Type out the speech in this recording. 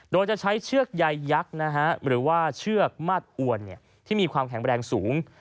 โดยจะใช้เชือกใยยักษ์หรือว่าเชือกมาดอวนที่มีความแข็งแรงสูง